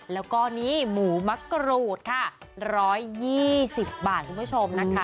แล้วก็นี่หมูมะกรูดค่ะ๑๒๐บาทคุณผู้ชมนะคะ